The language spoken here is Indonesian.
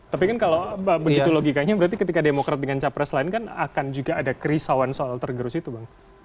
tapi kan kalau begitu logikanya berarti ketika demokrat dengan capres lain kan akan juga ada kerisauan soal tergerus itu bang